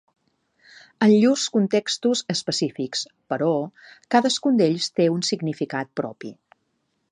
En llurs contextos específics, però, cadascun d'ells té un significat propi.